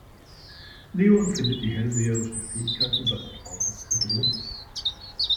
Leo empfindet die hellseherischen Fähigkeiten seiner Frau als bedrohlich.